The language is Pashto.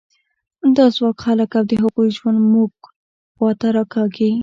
دا ځواک خلک او د هغوی ژوند موږ خوا ته راکاږي.